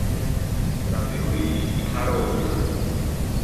Davi Luiz e Carolina